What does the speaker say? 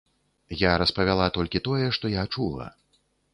Я распавяла толькі тое, што я чула.